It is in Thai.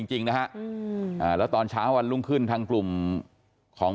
เราก็ให้เกินแต่ว่าอยู่ดีพอวันลุ่มครึ่ง